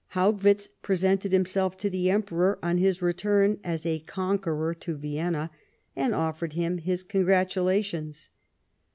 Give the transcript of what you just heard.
Haugwitz presented himself to the Emperor on his return as a conqueror to Vienna — and offered him his congratulations.